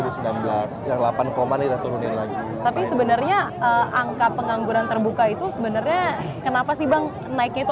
tapi sebenarnya angka pengangguran terbuka itu sebenarnya kenapa sih bang naiknya itu